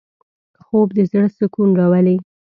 خوب د زړه سکون راولي